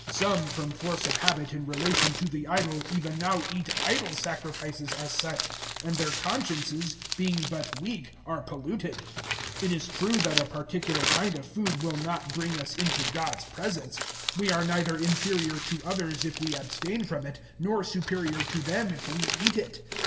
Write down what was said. Some, from force of habit in relation to the idol, even now eat idol sacrifices as such, and their consciences, being but weak, are polluted. 008:008 It is true that a particular kind of food will not bring us into God's presence; we are neither inferior to others if we abstain from it, nor superior to them if we eat it.